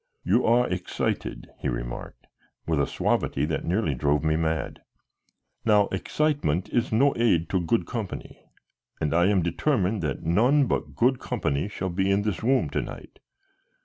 "You are excited," he remarked, with a suavity that nearly drove me mad. "Now excitement is no aid to good company, and I am determined that none but good company shall be in this room to night.